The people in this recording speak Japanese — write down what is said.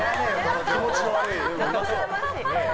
気持ちの悪い。